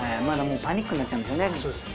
まだパニックになっちゃうんですよね